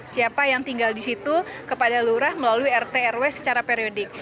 siapa yang tinggal di situ kepada lurah melalui rt rw secara periodik